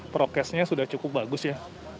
prokesnya sudah cukup bagus ya